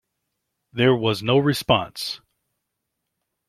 There was no response.